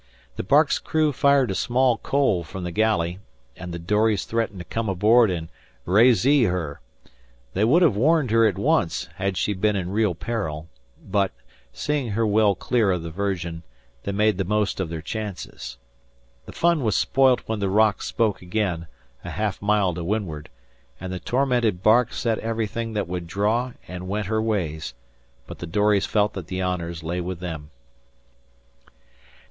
The bark's crew fired small coal from the galley, and the dories threatened to come aboard and "razee" her. They would have warned her at once had she been in real peril; but, seeing her well clear of the Virgin, they made the most of their chances. The fun was spoilt when the rock spoke again, a half mile to windward, and the tormented bark set everything that would draw and went her ways; but the dories felt that the honours lay with them.